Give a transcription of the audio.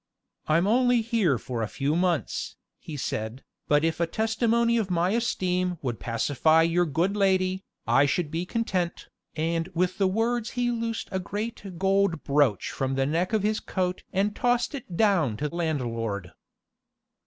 "I'm only here for a few months," he said, "but if a testimony of my esteem would pacify your good lady, I should be content," and with the words he loosed a great gold brooch from the neck of his coat and tossed it down to landlord.